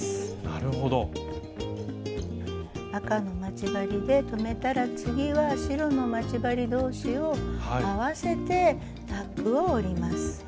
赤の待ち針で留めたら次は白の待ち針同士を合わせてタックを折ります。